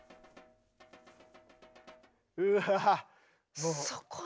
うわ！